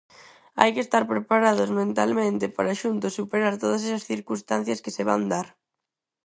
Hai que estar preparados mentalmente para, xuntos, superar todas esas circunstancias que se van dar.